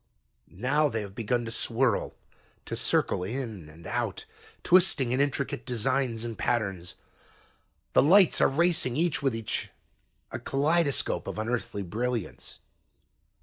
"Now they have begun to swirl, to circle in and out, twisting in intricate designs and patterns. The lights are racing each with each, a kaleidoscope of unearthly brilliance.